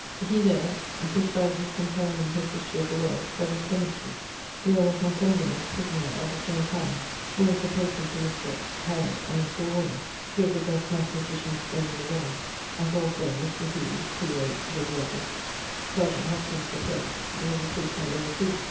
He there (besides his compiling his History of the World) studyed chymistry. The earle of Northumberland was prisoner at the same time, who was the patrone to Mr. ... Harriot and Mr. Warner, two of the best mathematicians then in the world, as also Mr. Hues ( de Globis). Serjeant Hoskins (the poet) was a prisoner there too.